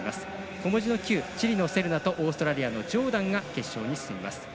小文字のｑチリのセルナとオーストラリアのジョーダンが決勝に進みます。